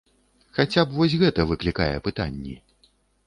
Хаця б вось гэта выклікае пытанні.